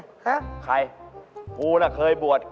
ฮะใครกูน่ะเคยบวช